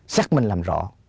xác minh làm rõ